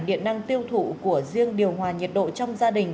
điện năng tiêu thụ của riêng điều hòa nhiệt độ trong gia đình